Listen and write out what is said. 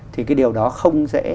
thì cái điều đó không dễ